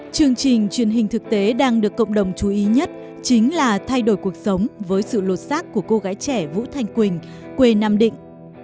chương trình truyền hình thực tế đang được cộng đồng chú ý nhất chính là thay đổi cuộc sống với sự lột xác của cô gái trẻ vũ thanh quỳnh quê nam định